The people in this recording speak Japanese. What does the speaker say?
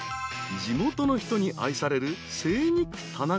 ［地元の人に愛される］